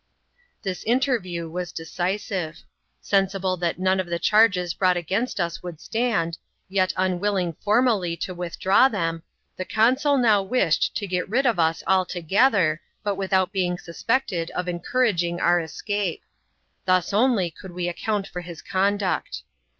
This interview was decisive. Sensible that none of the charges brought against us would stand, yet imwilling formally to withdraw them, the consul now wished to get rid of us alto gether ; but without being suspected of encouraging our escape. Thus only could we account for his conduct.